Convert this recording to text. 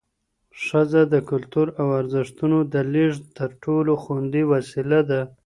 ښځه د کلتور او ارزښتونو د لېږد تر ټولو خوندي وسیله ده